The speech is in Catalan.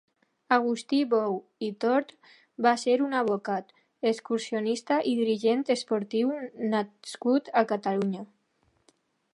Agustí Bou i Tort va ser un advocat, excursionista i dirigent esportiu nascut a Catalunya.